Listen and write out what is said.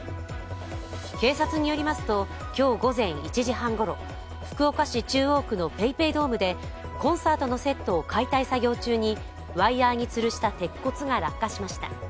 警察によりますと今日午前１時半ごろ福岡市中央区のＰａｙＰａｙドームでコンサートのセットを解体作業中にワイヤーにつるした鉄骨が落下しました。